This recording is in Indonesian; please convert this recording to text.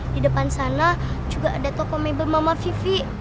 di depan sana juga ada toko mebel mama vivi